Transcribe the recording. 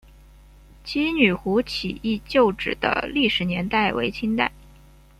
七女湖起义旧址的历史年代为清代。